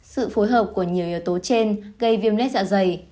sự phối hợp của nhiều yếu tố trên gây viêm lết dạ dày